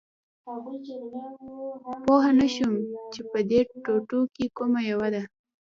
پوه نه شوم چې په دې ټوټو کې کومه یوه ده